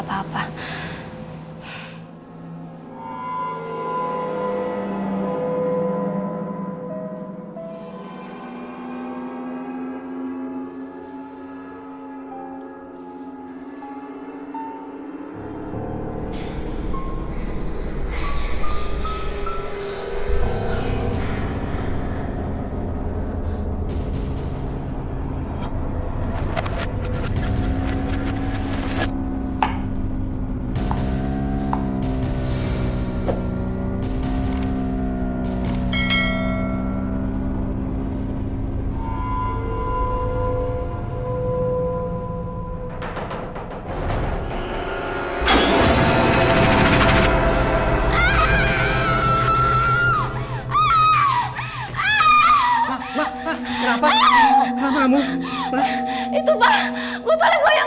masak gak ya